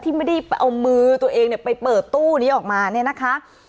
ไม่ได้เอามือตัวเองเนี่ยไปเปิดตู้นี้ออกมาเนี่ยนะคะ